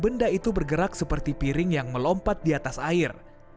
benda itu bergerak seperti piring yang melompat di atas air